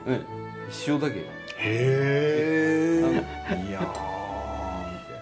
いや。